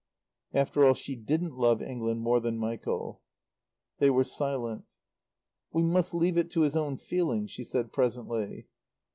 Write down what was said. After all, she didn't love England more than Michael. They were silent. "We must leave it to his own feeling," she said presently.